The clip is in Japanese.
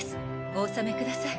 お納めください。